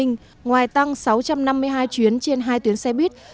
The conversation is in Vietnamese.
ngoài tăng sáu trăm năm mươi hai chuyến trên hai tuyến xe buýt